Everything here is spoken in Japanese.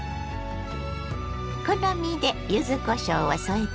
好みで柚子こしょうを添えてね。